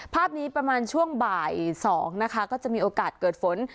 ภาพนี้ประมาณช่วงบ่าย๒นะคะก็จะมีโอกาสเกิดฝน